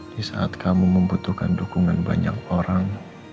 disaat kamu membutuhkan dukungan banyak orang